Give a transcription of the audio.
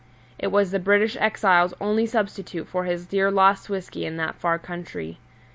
It was the British exile's only substitute for his dear lost whisky in that far country.